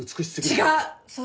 違う！